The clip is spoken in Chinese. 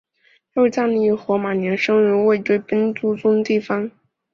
他于藏历火马年生于卫堆奔珠宗地方。